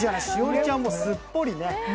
栞里ちゃんもすっぽりね。